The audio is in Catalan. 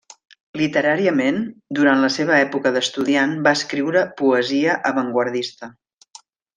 Literàriament, durant la seva època d'estudiant, va escriure poesia avantguardista.